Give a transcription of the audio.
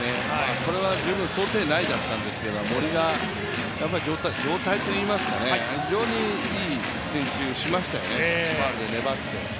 これは十分、想定内だったんですけど、森が状態といいますか、非常にいい選球しましたよね、ファウルで粘って。